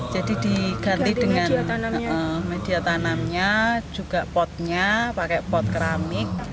jadi diganti dengan media tanamnya juga potnya pakai pot keramik